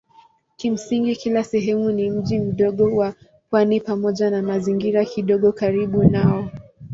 Kimsingi kila sehemu ni mji mdogo wa pwani pamoja na mazingira kidogo karibu nao.